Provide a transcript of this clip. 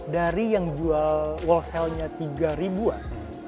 dari yang jual wall cellnya tiga ribuan